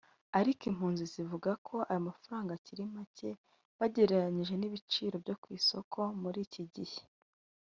Ariko impunzi zivuga ko ayo mafaranga akiri make bagerereranyije n’ibiciro byo ku isoko muri iki gihe